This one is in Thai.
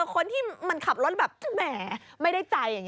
คนที่มันขับรถแบบแหมไม่ได้ใจอย่างนี้